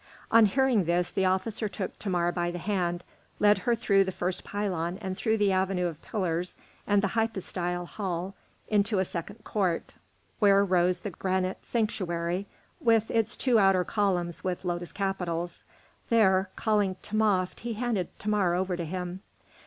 On hearing this, the officer took Thamar by the hand, led her through the first pylon and through the avenue of pillars and the hypostyle hall into a second court, where rose the granite sanctuary, with its two outer columns with lotus capitals. There, calling Timopht, he handed Thamar over to him.